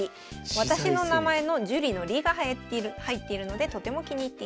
私の名前の朱里の「里」が入っているのでとても気に入っています。